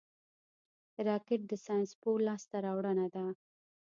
راکټ د ساینس یوه لاسته راوړنه ده